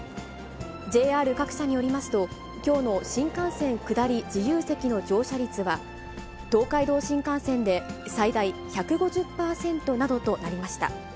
ＪＲ各社によりますと、きょうの新幹線下り自由席の乗車率は、東海道新幹線で最大１５０％などとなりました。